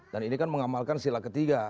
dan ini kan mengamalkan sila ketiga